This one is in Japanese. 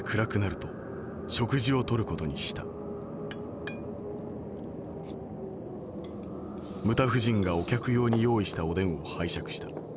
牟田夫人がお客用に用意したおでんを拝借した。